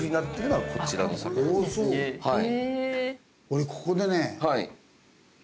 俺ここでね